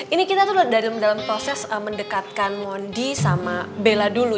ini kita tuh dalam proses mendekatkan mondi sama bella dulu